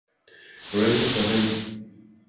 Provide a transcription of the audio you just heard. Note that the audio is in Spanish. Florencia Torrente